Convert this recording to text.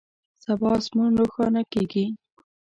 سبا اسمان روښانه کیږي